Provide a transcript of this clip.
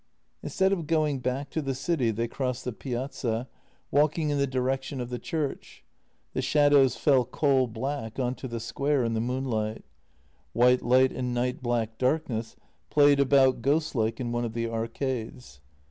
Instead of going back to the city, they crossed the Piazza, walking in the direction of the church. The shadows fell coal black on to the square in the moon light. White light and night black darkness played about ghostlike in one of the arcades.